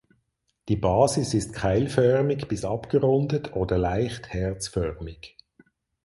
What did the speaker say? Die Basis ist keilförmig bis abgerundet oder leicht herzförmig.